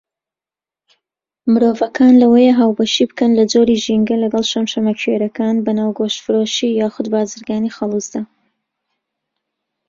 مرۆڤەکان لەوەیە هاوبەشی بکەن لە جۆری ژینگە لەگەڵ شەمشەمەکوێرەکان بەناو گۆشتفرۆشی یاخود بارزگانی خەڵوزدا.